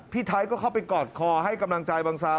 ไทยก็เข้าไปกอดคอให้กำลังใจบังซา